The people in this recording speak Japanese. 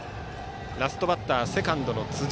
ラストバッターはセカンドの辻。